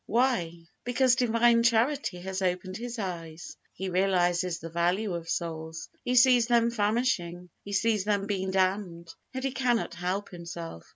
Why? Because Divine Charity has opened his eyes. He realizes the value of souls. He sees them famishing. He sees them being damned, and he cannot help himself.